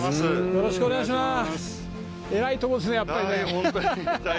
よろしくお願いします。